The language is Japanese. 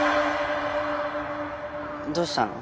どうしたの？